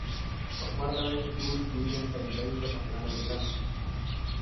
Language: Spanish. Por cuarta vez estuvo incluida en el calendario internacional americano.